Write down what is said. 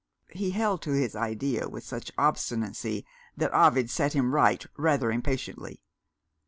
He held to his idea with such obstinacy that Ovid set him right, rather impatiently.